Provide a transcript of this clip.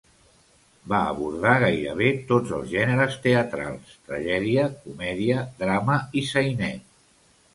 Va abordar gairebé tots els gèneres teatrals: tragèdia, comèdia, drama i sainet.